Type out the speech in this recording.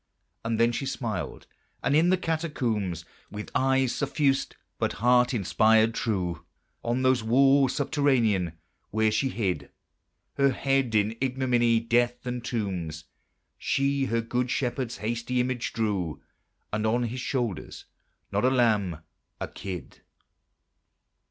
And then she smiled; and in the Catacombs, With eye suffused but heart inspired true, On those walls subterranean, where she hid Her head in ignominy, death, and tombs, She her good Shepherd's hasty image drew And on his shoulders, not a lamb, a kid.